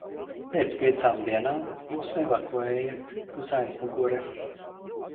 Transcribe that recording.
Pēc piecām dienām mūs evakuēja uz aizmuguri.